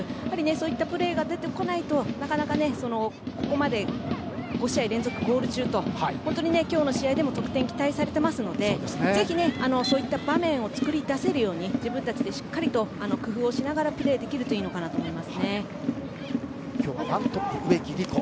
そういうプレーが出てこないとなかなかここまで５試合連続ゴール中と本当に今日の試合でも得点が期待されていますのでぜひ、そういった場面を作り出せるように自分たちでしっかりと工夫をしながらプレーできると今日は１トップの植木理子。